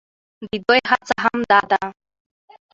د دوى هڅه هم دا ده،